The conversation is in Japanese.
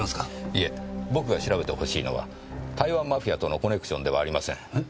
いえ僕が調べてほしいのは台湾マフィアとのコネクションではありません。え？